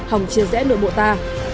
hỏng chia rẽ nội bộ ta